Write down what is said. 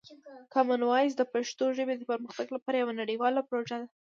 کامن وایس د پښتو ژبې د پرمختګ لپاره یوه نړیواله پروژه ده.